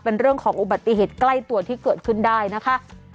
เป็นเรื่องของอุบัติเหตุใกล้ตัวที่เกิดขึ้นได้นะคะ